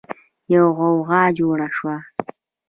يوه غوغا جوړه شوه.